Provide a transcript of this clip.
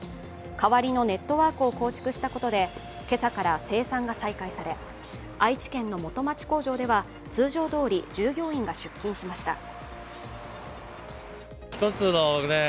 代わりのネットワークを構築したことで今朝から生産が再開され、愛知県の元町工場では通常どおり従業員が出勤しました。